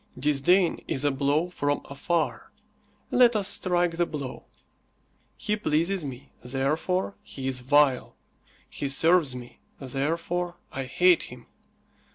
Disdain is a blow from afar. Let us strike the blow. He pleases me, therefore he is vile. He serves me, therefore I hate him.